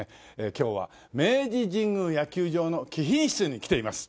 今日は明治神宮野球場の貴賓室に来ています。